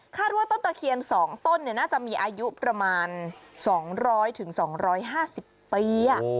คาดว่าต้นตะเคียนสองต้นเนี้ยน่าจะมีอายุประมาณสองร้อยถึงสองร้อยห้าสิบปี